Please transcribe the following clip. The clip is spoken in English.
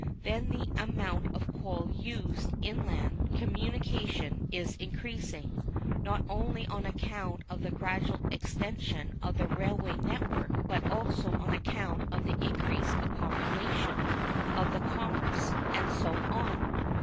Then the amount of coal used in inland communication is increasing, not only on account of the gradual extension of the railway network, but also on account of the increase of population, of commerce, and so on.